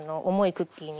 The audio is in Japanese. クッキーに。